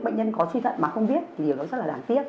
bệnh nhân có suy thận mà không biết thì điều đó rất là đáng tiếc